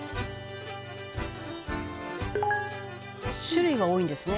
「種類が多いんですね」